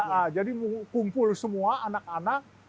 nah jadi kumpul semua anak anak